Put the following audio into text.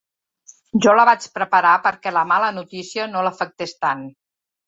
Jo la vaig preparar perquè la mala notícia no l'afectés tant.